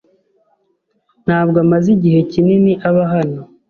ntabwo amaze igihe kinini aba hano.